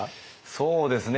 そうですね